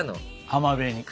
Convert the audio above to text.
浜辺に？